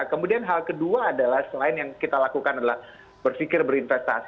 kemudian hal kedua adalah selain yang kita lakukan adalah berpikir berinvestasi